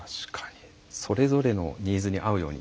それぞれのニーズに合うように。